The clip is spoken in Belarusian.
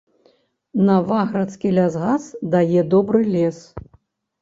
Наваградскі лясгас дае добры лес.